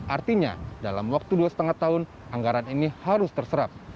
artinya dalam waktu dua lima tahun anggaran ini harus terserap